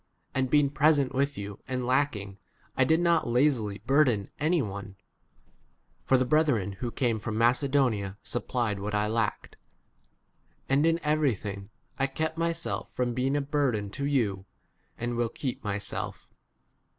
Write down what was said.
And being present with you and lack ing, I did not lazily burden any one, (for the brethren who came from Macedonia supplied what I lacked,) and in everything I kept myself from being a burden to 10 you, and will keep myself.